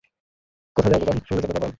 কোথা যাও গোপাল, সঙ্গে যাবে কপাল।